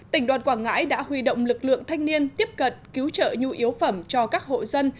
tỉnh đoàn quảng ngãi đã huy động lực lượng thanh niên tiếp cận cứu trợ nhu yếu phẩm cho các hộ dân